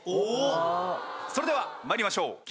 それでは参りましょう。